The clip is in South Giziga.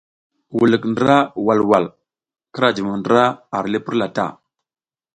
Wulik ndra walwal, kira jumo ndra ar li purla ta.